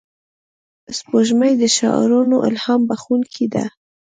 سپوږمۍ د شاعرانو الهام بښونکې ده